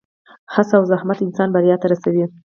هڅه او زحمت انسان بریا ته رسوي.